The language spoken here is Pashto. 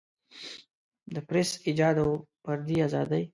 د پریس ایجاد او فردي ازادۍ.